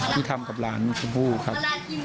ที่ทำกับหลานชมพู่ครับ